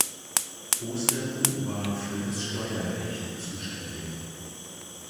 Osterloh war für das Steuerrecht zuständig.